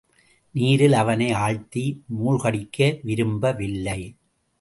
நீரில் அவனை ஆழ்த்தி மூழ்கடிக்க விரும்பவில்லை.